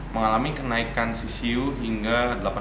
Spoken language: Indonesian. mengalami kenaikan ccu hingga